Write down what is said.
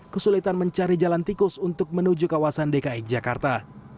kesulitan mencari jalan tikus untuk menuju kawasan dki jakarta